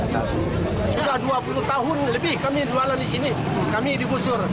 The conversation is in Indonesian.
setelah dua puluh tahun lebih kami jualan di sini kami digusur